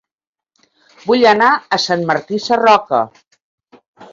Vull anar a Sant Martí Sarroca